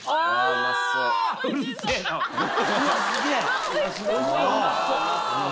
うまそう！